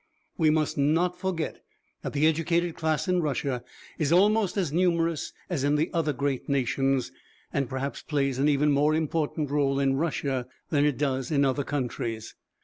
We must not forget that the educated class in Russia is almost as numerous as in the other great nations, and perhaps plays an even more important rôle in Russia than it does in other countries.